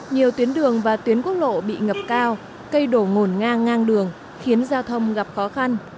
nhiều tuyến đường và tuyến quốc lộ bị ngập cao cây đổ ngổn ngang ngang đường khiến giao thông gặp khó khăn